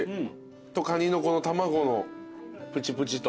カニのこの卵のプチプチと。